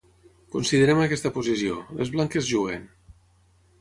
Considerem aquesta posició, les blanques juguen.